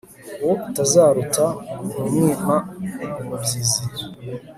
uwo utazaruta ntumwima umubyizi